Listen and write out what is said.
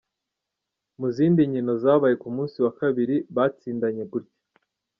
Mu zindi nkino zabaye ku musi wa kabiri, batsindanye gutya:.